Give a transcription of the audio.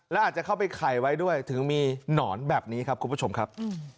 แล้วอาจจะเข้าไปไข่ไว้ด้วยถึงมีหนอนแบบนี้ครับคุณผู้ชมครับ